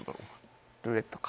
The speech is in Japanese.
「ルーレット」か。